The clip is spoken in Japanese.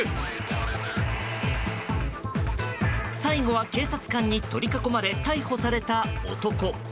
最後は警察官に取り囲まれ逮捕された男。